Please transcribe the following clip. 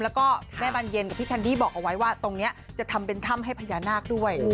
แล้วก็แม่บานเย็นกับพี่แคนดี้บอกเอาไว้ว่าตรงนี้จะทำเป็นถ้ำให้พญานาคด้วย